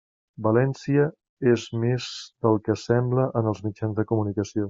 València és més del que sembla en els mitjans de comunicació.